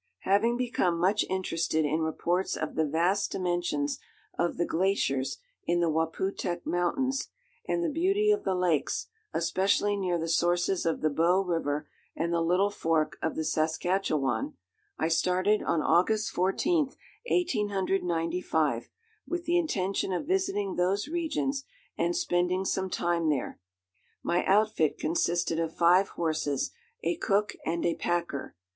Having become much interested in reports of the vast dimensions of the glaciers in the Waputehk Mountains, and the beauty of the lakes, especially near the sources of the Bow River and the Little Fork of the Saskatchewan, I started on August 14th, 1895, with the intention of visiting those regions and spending some time there. My outfit consisted of five horses, a cook, and a packer.